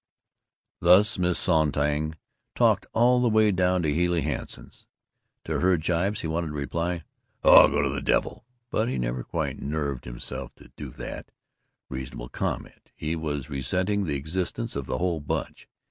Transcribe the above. Thus Miss Sonntag talked all the way down to Healey Hanson's. To her jibes he wanted to reply "Oh, go to the devil!" but he never quite nerved himself to that reasonable comment. He was resenting the existence of the whole Bunch.